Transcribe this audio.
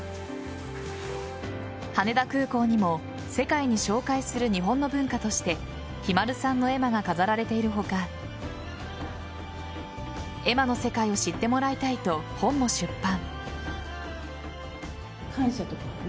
羽田空港にも世界に紹介する日本の文化としてひまるさんの絵馬が飾られている他絵馬の世界を知ってもらいたいと本も出版。